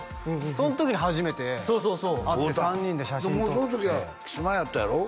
その時に初めて会って３人で写真撮ってその時はキスマイやったやろ？